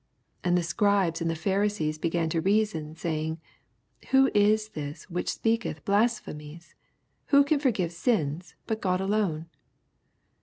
21 And the Scribes and the Phari sees began to reason, saying, Who is this which speaketh blasphemies \ Who can forgive sins, but Gou alone